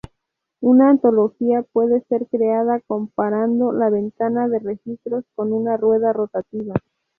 Una analogía puede ser creada comparando la ventana de registros con una rueda rotativa.